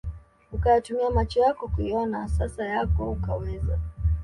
ukayatumia macho yako kuiona sasa yako ukaweza